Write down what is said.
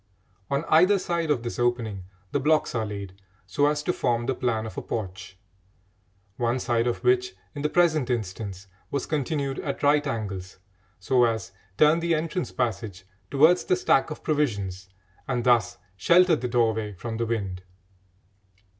On either side of this opening the blocks are laid so as to form the plan of a porch, one side of which, in the present instance, was continued at right angles so as turn the entrance passage towards the stack of provisions and thus shelter the doorway from the wind.